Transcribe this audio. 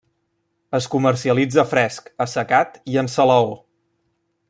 Es comercialitza fresc, assecat i en salaó.